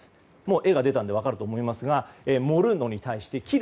絵が出たので分かると思いますが盛るのに対して切る。